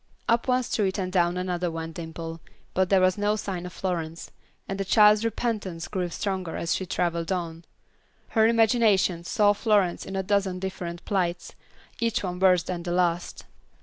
Up one street and down another went Dimple, but there was no sign of Florence, and the child's repentance grew stronger as she traveled on. Her imagination saw Florence in a dozen different plights, each one worse than the last.